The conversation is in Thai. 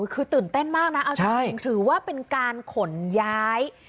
คือตื่นเต้นมากนะเอาจริงถือว่าเป็นการขนย้าย